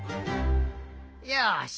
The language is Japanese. よし！